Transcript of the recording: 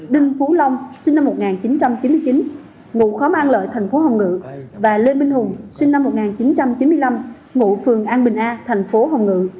đinh phú long sinh năm một nghìn chín trăm chín mươi chín ngụ khóm an lợi thành phố hồng ngự và lê minh hùng sinh năm một nghìn chín trăm chín mươi năm ngụ phường an bình a thành phố hồng ngự